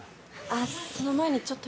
あっ。